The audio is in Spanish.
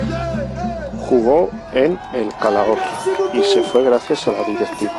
Jugo en el Calahorra y se fue gracias a la directiva